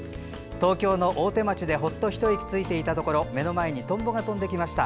東京の大手町でほっと一息ついていたところ目の前にトンボが飛んできました。